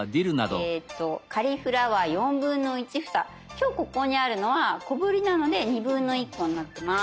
今日ここにあるのは小ぶりなので1/2コになってます。